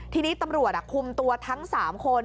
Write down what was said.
ทีนี้ตำรวจคุมตัวทั้ง๓คน